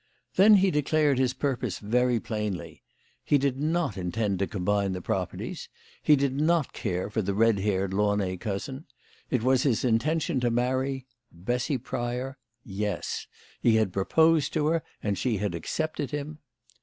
Then he declared his purpose very plainly. He did not intend to combine the pro perties. He did not care for the red haired Launay cousin. It was his intention to marry Bessy Pryor ; yes he had proposed to her and she had accepted him.